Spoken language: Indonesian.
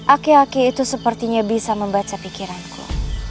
aki aki itu sepertinya bisa membaca pikiranku